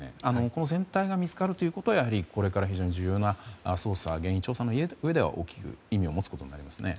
この船体が見つかるということはこれから非常に重要な原因捜査のうえでは大きく意味を持つことになりますね。